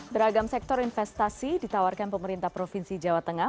beragam sektor investasi ditawarkan pemerintah provinsi jawa tengah